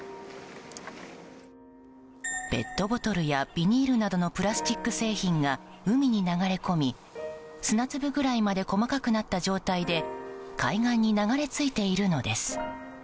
ペットボトルやビニールなどのプラスチック製品が海に流れ込み砂粒ぐらいまで細かくなった状態で海岸に流れ着いているのです。